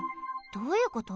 どういうこと？